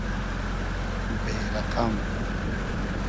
بې رئقئم